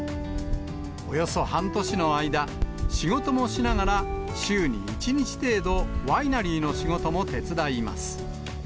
およそ半年の間、仕事もしながら、週に１日程度、ワイナリーの仕事も手伝います。